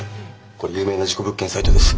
これ有名な事故物件サイトです。